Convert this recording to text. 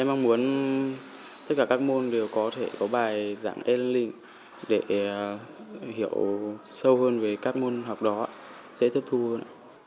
em mong muốn tất cả các môn đều có thể có bài giảng e learning để hiểu sâu hơn về các môn học đó dễ tiết thu hơn